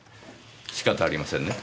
仕方ありませんね。